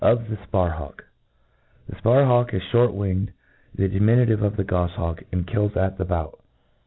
Of the SparbawL THE fparhawk is fliort wingedj the diminu tive of the gofliawk, and kills at the bout.